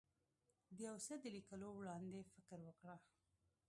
د یو څه د لیکلو وړاندې فکر وکړه.